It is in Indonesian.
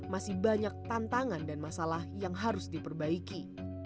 masih banyak tantangan dan masalah yang harus diperbaiki